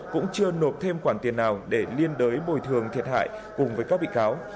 cũng chưa nộp thêm khoản tiền nào để liên đối bồi thường thiệt hại cùng với các bị cáo